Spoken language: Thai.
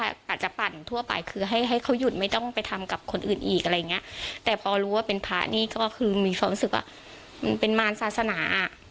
อาจจะปั่นทั่วไปคือให้ให้เขาหยุดไม่ต้องไปทำกับคนอื่นอีกอะไรอย่างเงี้ยแต่พอรู้ว่าเป็นพระนี่ก็คือมีความรู้สึกว่ามันเป็นมารศาสนาอ่ะ